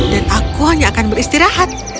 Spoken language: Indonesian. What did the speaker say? dan aku hanya akan beristirahat